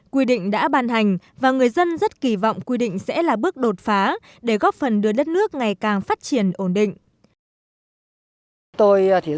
quy định đã ban hành và người dân rất kỳ vọng quy định sẽ là bước đột phá để góp phần đưa đất nước ngày càng phát triển ổn định